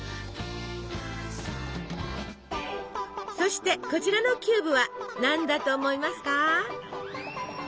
そしてこちらのキューブは何だと思いますか？